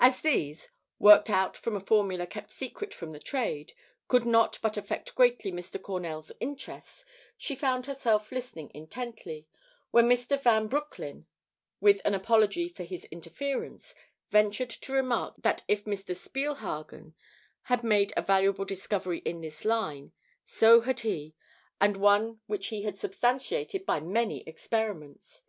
As these, worked out from a formula kept secret from the trade, could not but affect greatly Mr. Cornell's interests, she found herself listening intently, when Mr. Van Broecklyn, with an apology for his interference, ventured to remark that if Mr. Spielhagen had made a valuable discovery in this line, so had he, and one which he had substantiated by many experiments.